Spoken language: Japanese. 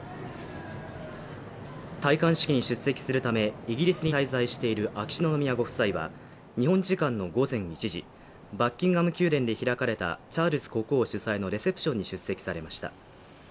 戴冠式に出席するため、イギリスに滞在している秋篠宮ご夫妻は日本時間の午前１時、バッキンガム宮殿で開かれたチャールズ国王主催のレセプションに出席されました。